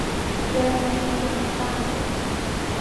原来有两个大楼